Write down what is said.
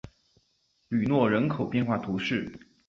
吕诺人口变化图示